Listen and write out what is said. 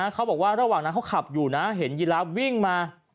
เขาบอกว่าระหว่างนั้นเขาขับอยู่นะเห็นยีราฟวิ่งมา